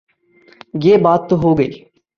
یہ بات تو ہو گئی۔